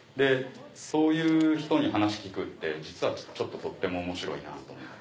そういう人に話聞くって実はちょっととっても面白いなと思って。